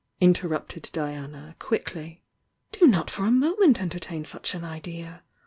interrupted Diana, quicHy— "do not for a moment entertain such an idea!